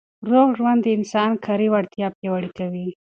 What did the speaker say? روغ ژوند د انسان کاري وړتیا پیاوړې کوي.